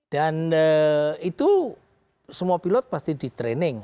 dan itu semua pilot pasti di training